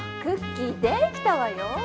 クッキーできたわよ！